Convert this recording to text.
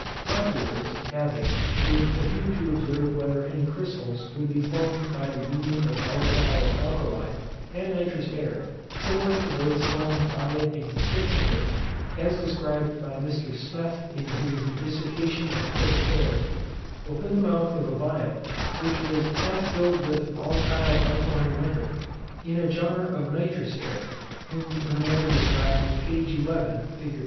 Afterwards, having, (with a view to observe whether any crystals would be formed by the union of volatile alkali, and nitrous air, similar to those formed by it and fixed air, as described by Mr. Smeth in his Dissertation on fixed Air) opened the mouth of a phial which was half filled with a volatile alkaline liquor, in a jar of nitrous air (in the manner described p. 11. fig.